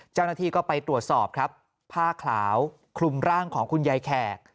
เจ้าหน้าที่ก็ไปตรวจสอบครับผ้าขาวคลุมร่างของคุณยายแขก